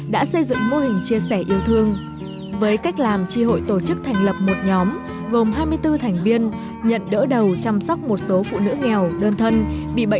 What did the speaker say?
đã bàn với chồng con nhận đỡ đầu đưa cụ về nhà nuôi chăm sóc từ năm hai nghìn một mươi bốn đến nay